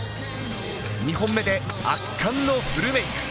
２本目で圧巻のフルメイク。